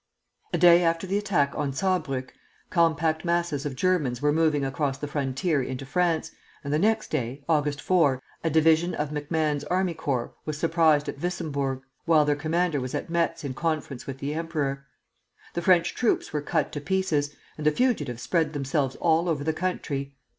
The day after the attack on Saarbrück compact masses of Germans were moving across the frontier into France, and the next day (August 4), a division of MacMahon's army corps was surprised at Wissembourg, while their commander was at Metz in conference with the emperor. The French troops were cut to pieces, and the fugitives spread themselves all over the country.